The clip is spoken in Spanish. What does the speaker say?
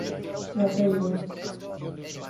La Table